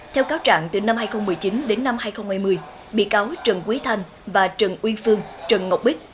theo cáo trạng từ năm hai nghìn một mươi chín đến năm hai nghìn hai mươi bị cáo trần quý thanh và trần uyên phương trần ngọc bích